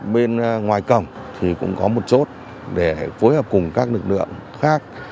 bên ngoài cổng thì cũng có một chốt để phối hợp cùng các lực lượng khác